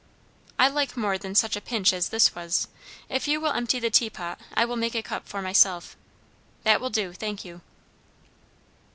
"I like more than such a pinch as this was. If you will empty the tea pot, I will make a cup for myself. That will do, thank you."